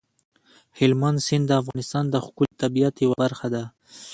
هلمند سیند د افغانستان د ښکلي طبیعت یوه برخه ده.